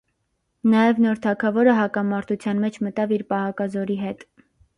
Նաև նոր թագավորը հակամարտության մեջ մտավ իր պահակազորի հետ։